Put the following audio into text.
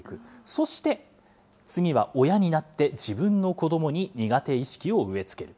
そして、次は親になって自分の子どもに苦手意識を植え付ける。